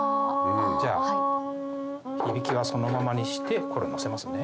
じゃあ響きはそのままにしてこれ乗せますね。